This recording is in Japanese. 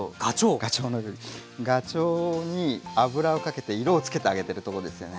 ガチョウに油をかけて色を付けてあげてるところですよね。